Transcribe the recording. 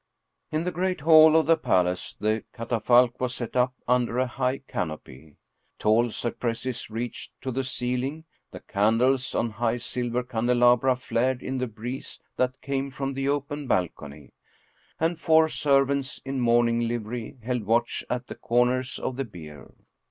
In the great hall of the palace the catafalque was set up under a high canopy. Tall cypresses reached to the ceiling, the candles on high silver candelabra flared in the breeze that came from the open balcony, and four servants in mourning livery held watch at the corners of the bier.